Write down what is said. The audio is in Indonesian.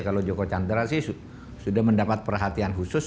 kalau joko chandra sih sudah mendapat perhatian khusus